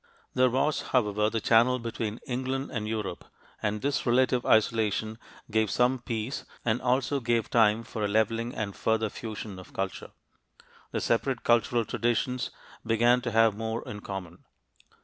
There was, however, the Channel between England and Europe, and this relative isolation gave some peace and also gave time for a leveling and further fusion of culture. The separate cultural traditions began to have more in common.